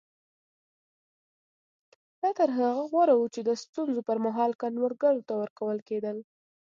دا تر هغه غوره وو چې د سټیونز پر مهال کروندګرو ته ورکول کېدل.